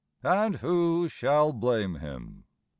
And who shall blame him?